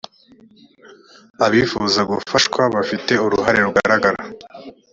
abifuza gufashwa bafite uruhare rugaragara.